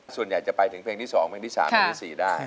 ส่วนใหญ่จะไปถึงเพลงที่๒เพลงที่๓เพลงที่๔ได้